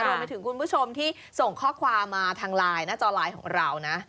รวมไปถึงคุณผู้ชมที่ส่งข้อความมาทางไลน์หน้าจอไลน์ของเรานะ